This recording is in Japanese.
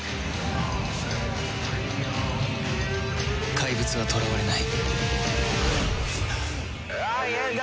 怪物は囚われない